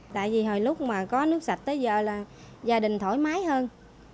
tại vì hồi lúc mà có nước sạch tới giờ là gia đình thoải mái hơn